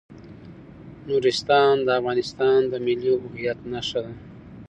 نورستان د افغانستان د ملي هویت نښه ده.